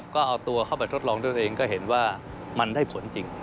ก็เอาตัวเข้าไปทดลองด้วยตัวเองก็เห็นว่ามันได้ผลจริง